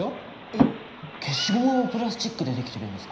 えっ消しゴムもプラスチックでできてるんですか？